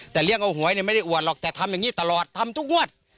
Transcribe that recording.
แต่เรียกว่าหวยไม่ได้อวดหรอกแต่ทำอย่างนี้ตลอดทำทุกงวด